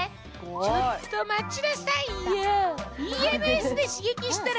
ちょっと待ちなさいよ